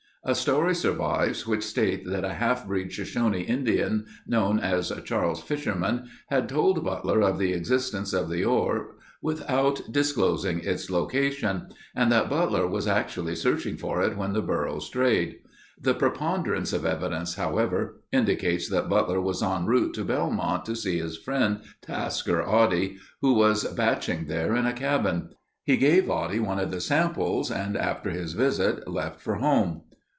A story survives which states that a half breed Shoshone Indian known as Charles Fisherman had told Butler of the existence of the ore without disclosing its location and that Butler was actually searching for it when the burro strayed. The preponderance of evidence, however, indicates that Butler was en route to Belmont to see his friend, Tasker Oddie, who was batching there in a cabin. He gave Oddie one of the samples and after his visit, left for home.